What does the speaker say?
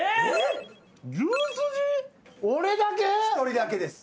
１人だけです。